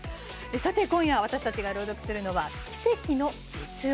さて、今夜私たちが朗読するのはキセキの実話。